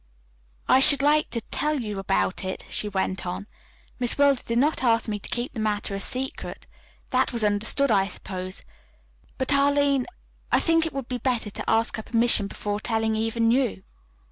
"I should like to tell you about it," she went on. "Miss Wilder did not ask me to keep the matter a secret. That was understood, I suppose. But, Arline, I think it would be better to ask her permission before telling even you."